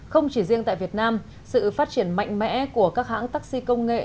không chỉ riêng tại việt nam sự phát triển mạnh mẽ của các hãng taxi công nghệ